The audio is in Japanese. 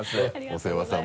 お世話さま。